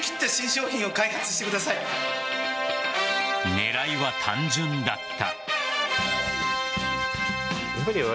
狙いは単純だった。